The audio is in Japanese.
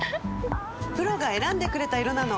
プロが選んでくれた色なの！